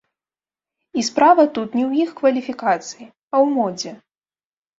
І справа тут не ў іх кваліфікацыі, а ў модзе.